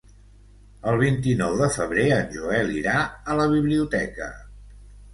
El vint-i-nou de febrer en Joel irà a la biblioteca.